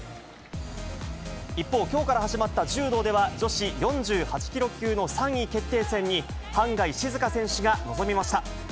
一方、きょうから始まった柔道では、女子４８キロ級の３位決定戦に、半谷静香選手が臨みました。